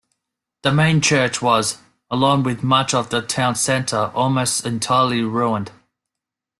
The main church was, along with much of the town centre, almost entirely ruined.